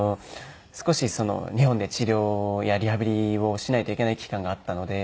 少し日本で治療やリハビリをしないといけない期間があったので。